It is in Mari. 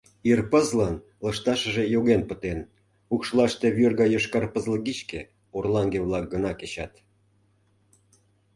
Ир пызлын лышташыже йоген пытен, укшлаште вӱр гай йошкар пызлыгичке орлаҥге-влак гына кечат.